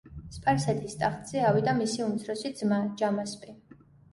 სპარსეთის ტახტზე ავიდა მისი უმცროსი ძმა, ჯამასპი.